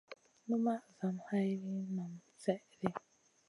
Numaʼ zam hay liyn naam slèh ɗi.